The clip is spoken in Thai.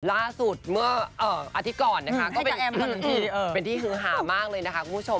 ล่าสุดเมื่ออาทิกรก็เป็นที่ฮึหามากเลยนะคะคุณผู้ชม